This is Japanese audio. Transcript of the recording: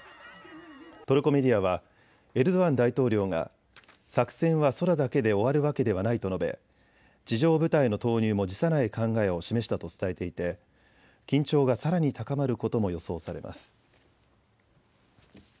トルコメディアはエルドアン大統領が作戦は空だけで終わるわけではないと述べ、地上部隊の投入も辞さない考えを示したと伝えていて緊張がさらに高まることも予想されます。